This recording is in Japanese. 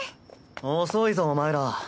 遅いぞお前ら。